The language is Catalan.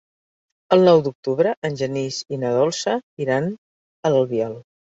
El nou d'octubre en Genís i na Dolça iran a l'Albiol.